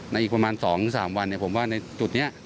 อีกประมาณ๒๓วันผมว่าในจุดนี้